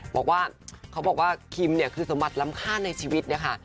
บอกว่าเขาบอกว่าคิมคือสมัติล้ำคาญในชีวิตนะคะ